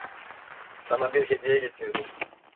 Sana bir hediye getirdim.